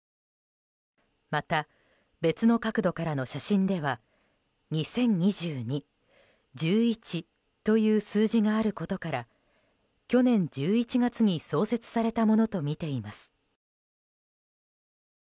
また別の角度からの写真では２０２２、１１という数字があることから去年１１月に創設されたものとみています。